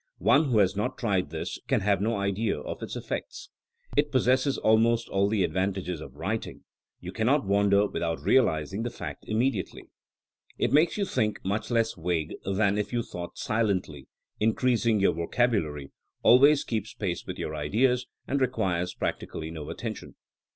One who has not tried this can have no idea of its effect. It possesses almost all the advantages of writing. You cannot wander without realizing the fact immediately. 80 THINEINa AS A SCIENCE It makes your thinking much less vague than if you thought silently, increases your vocabu lary, always keeps pace with your ideas, and re quires practically no attention.